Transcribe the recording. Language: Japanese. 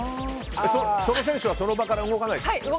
その選手はその場から動かないってこと？